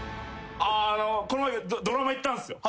この前ドラマ行ったんすよ。